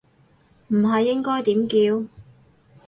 唔係應該點叫